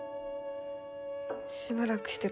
しばらくしてから。